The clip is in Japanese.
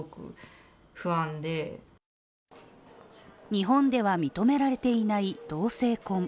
日本では認められていない同性婚。